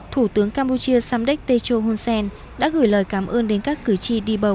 thủ tướng campuchia samdek techo hun sen đã gửi lời cảm ơn đến các cử tri đi bầu